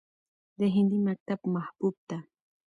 د هندي مکتب محبوب ته